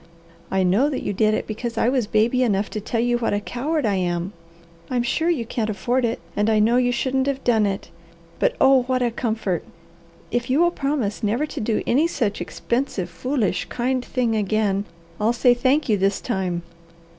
"I know that you did it because I was baby enough to tell what a coward I am. I'm sure you can't afford it, and I know you shouldn't have done it, but oh, what a comfort! If you will promise never to do any such expensive, foolish, kind thing again, I'll say thank you this time.